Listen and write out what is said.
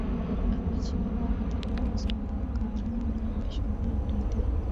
احمدشاه بابا د خپلو سلاکارانو مشوري اوريدي.